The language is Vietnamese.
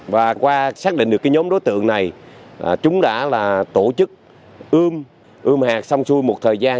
và qua xác định được nhóm đối tượng này chúng đã tổ chức ươm hạt xong xui một thời gian